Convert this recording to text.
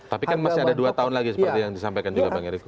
tapi kan masih ada dua tahun lagi seperti yang disampaikan juga bang eriko